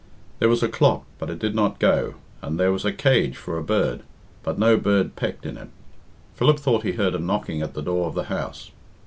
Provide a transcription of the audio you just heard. There was a clock, but it did not go; and there was a cage for a bird, but no bird pecked in it, Philip thought he heard a knocking at the door of the house.